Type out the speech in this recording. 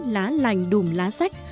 lá lành đùm lá sách